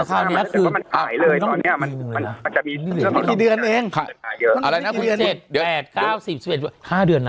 แนะนำมันขายเลยตอนนี้มันมันจะมีเดือนเองค่ะเดือน๕เดือน